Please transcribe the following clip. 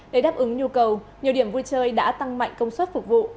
để đáp ứng nhu cầu nhiều điểm vui chơi đã tăng mạnh công suất phục vụ